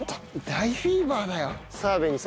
大フィーバーだよ。